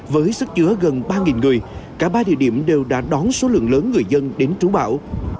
với sức chứa gần ba người cả ba địa điểm đều đã đón số lượng lớn người dân đến trú bão